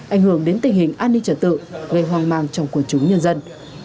ảnh hưởng đến tình hình an ninh trật tự gây hoang mang trong quần chúng nhân dân